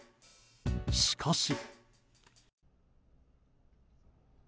しかし。